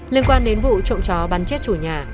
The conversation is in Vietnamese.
liên quan đến vụ trộm chó bắn chết chủ nhà